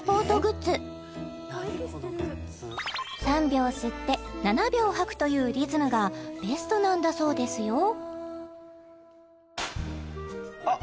３秒吸って７秒吐くというリズムがベストなんだそうですよあっ！